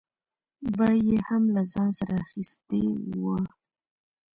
به یې هم له ځان سره اخیستې وه.